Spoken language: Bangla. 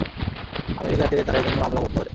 আমেরিকাতে, তারা এরজন্য মামলা করতে পারে।